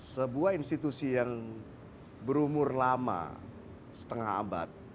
sebuah institusi yang berumur lama setengah abad